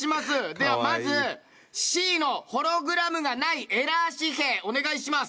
ではまずＣのホログラムがないエラー紙幣お願いします。